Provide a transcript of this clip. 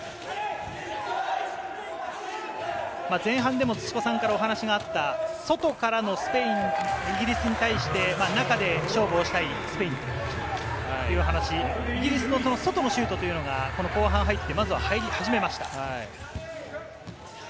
前半でも土子さんからお話があった、外からのスペイン、イギリスに対して中で勝負をしたいスペインという話、イギリスの外のシュートというのが後半入って、まずは入り始めました。